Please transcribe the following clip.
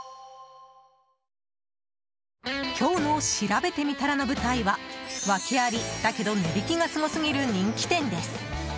今日のしらべてみたらの舞台は訳ありだけど値引きがすごすぎる人気店です。